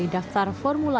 ini merupakan kemerdekaan